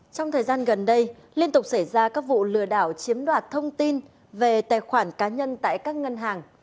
trong thời gian gần đây liên tục xảy ra các vụ lừa đảo chiếm đoạt thông tin về tài khoản cá nhân tại các ngân hàng